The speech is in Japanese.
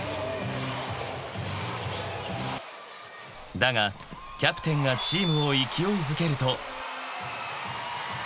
［だがキャプテンがチームを勢いづけると］